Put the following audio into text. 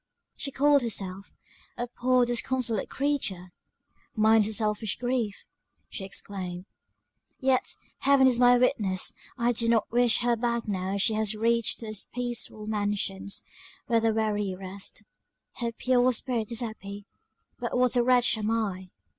She called herself "a poor disconsolate creature!" "Mine is a selfish grief," she exclaimed "Yet; Heaven is my witness, I do not wish her back now she has reached those peaceful mansions, where the weary rest. Her pure spirit is happy; but what a wretch am I!"